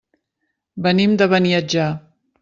Venim de Beniatjar.